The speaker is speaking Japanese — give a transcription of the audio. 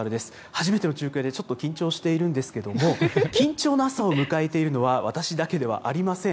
初めての中継で、ちょっと緊張しているんですけれども、緊張の朝を迎えているのは、私だけではありません。